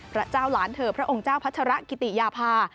พระเจ้าหลานเธอพระองค์เจ้าพัชรกิติยาภา